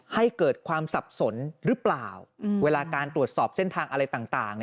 ให้เกิดความสับสนหรือเปล่าเวลาการตรวจสอบเส้นทางอะไรต่าง